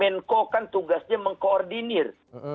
menko kan tugasnya mengkoordinir